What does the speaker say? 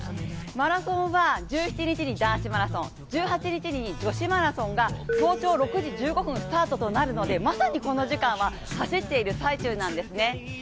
マラソンは１７日に男子マラソン、１８日に女子マラソンが早朝６時１５分スタートとなるので、まさにこの時間は走っている最中なんですね。